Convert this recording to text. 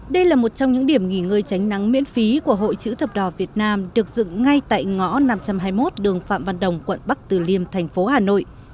đây là một trong những điểm nghỉ ngơi tránh nắng miễn phí của hội chữ thập đỏ việt nam được dựng ngay tại ngõ năm trăm hai mươi một đường phạm văn đồng quận bắc từ liêm thành phố hà nội